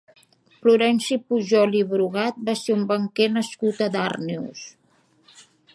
Florenci Pujol i Brugat va ser un banquer nascut a Darnius.